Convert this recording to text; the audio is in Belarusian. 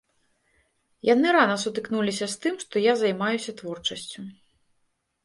Яны рана сутыкнуліся з тым, што я займаюся творчасцю.